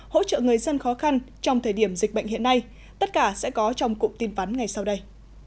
hỗ trợ người dân khó khăn trong thời điểm dịch bệnh hiện nay tất cả sẽ có trong cụm tin phán ngày sau đây